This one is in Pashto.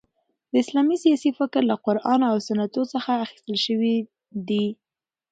د اسلامی سیاسي فکر له قران او سنتو څخه اخیستل سوی دي.